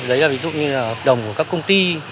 đấy là ví dụ như là hợp đồng của các công ty